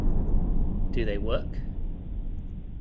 Do They Work?